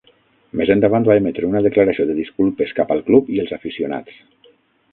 Més endavant va emetre una declaració de disculpes cap al club i els aficionats.